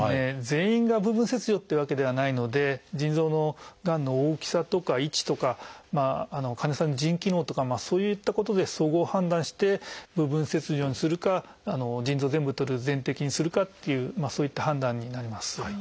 全員が部分切除っていうわけではないので腎臓のがんの大きさとか位置とか患者さんの腎機能とかそういったことで総合判断して部分切除にするか腎臓を全部とる「全摘」にするかというそういった判断になります。